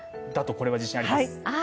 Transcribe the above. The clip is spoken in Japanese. これは自信があります。